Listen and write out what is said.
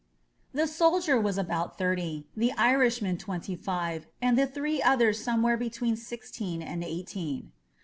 The soldier was about thirty, the Irishman twenty five, and the three others somewhere between sixteen and eighteen.